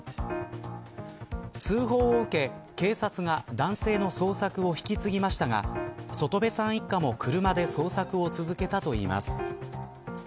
通報を受け警察が男性の捜索を引き継ぎましたが外部さん一家も、車で捜索を続けたといいます。